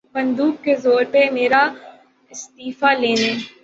بندوق کے زور پر میرا استعفیٰ لینے